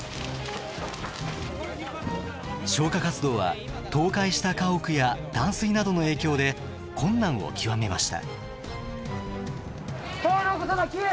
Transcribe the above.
消火活動は倒壊した家屋や断水などの影響で困難を窮めました。